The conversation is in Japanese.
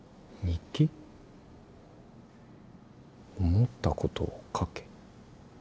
思ったことを書け。